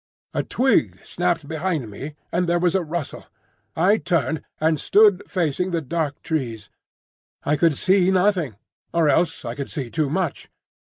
A twig snapped behind me, and there was a rustle. I turned, and stood facing the dark trees. I could see nothing—or else I could see too much.